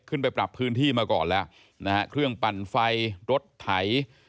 ไปปรับพื้นที่มาก่อนแล้วนะฮะเครื่องปั่นไฟรถไถ